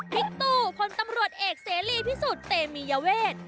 ตู้พลตำรวจเอกเสรีพิสุทธิ์เตมียเวท